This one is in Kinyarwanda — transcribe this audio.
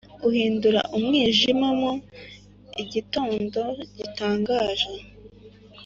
uhindura umwijima mo igitondo gitangaje,